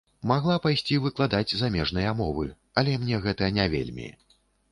Магла пайсці выкладаць замежныя мовы, але мне гэта не вельмі.